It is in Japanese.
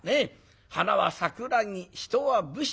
『花は桜木人は武士』。